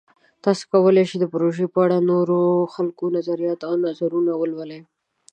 تاسو کولی شئ د پروژې په اړه د نورو خلکو نظریات او نظرونه ولولئ.